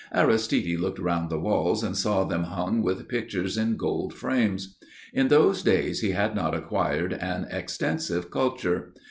Aristide looked round the walls and saw them hung with pictures in gold frames. In those days he had not acquired an extensive culture.